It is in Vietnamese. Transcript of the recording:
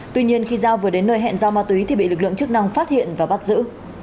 tuy nhiên khi giao vừa đến nơi hẹn giao ma túy thì bị lực lượng chức năng phát hiện và bắt giữ